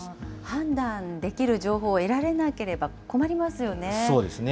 判断できる情報を得られなければ困りますよね。